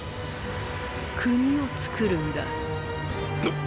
国を創るんだ。っ！